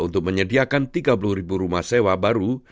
untuk menyediakan tiga puluh ribu rumah sewa baru